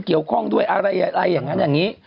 เกี่ยวข้องด้วยอะไรอย่างนั้นอย่างนี้